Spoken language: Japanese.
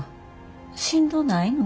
しんどないの？